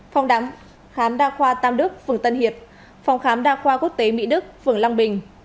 phòng khám đa khoa tam đức phường tân hiệp phòng khám đa khoa quốc tế mỹ đức phường long bình